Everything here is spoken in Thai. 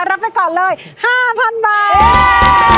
รับไปก่อนเลย๕๐๐๐บาท